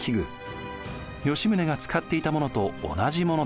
吉宗が使っていたものと同じものです。